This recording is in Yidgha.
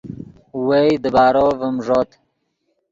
وئے دیبارو ڤیم ݱوت